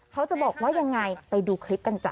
เขาจะบอกว่ายังไงไปดูคลิปกันจ้